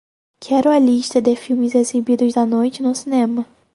Quero a lista de filmes exibidos à noite no cinema